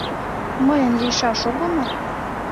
Мыйын лийшаш огыл мо?